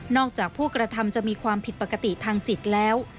จากผู้กระทำจะมีความผิดปกติทางจิตแล้ว